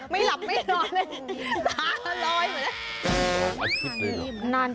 ไม่หลับไม่นอนตาล้อยเหมือนแบบนั้น